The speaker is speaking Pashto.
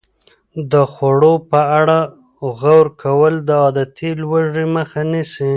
د خوړو په اړه غور کول د عادتي لوږې مخه نیسي.